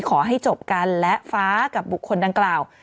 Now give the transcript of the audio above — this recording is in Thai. ขอให้จบกันและฟ้ากับบุคคลดังกล่าว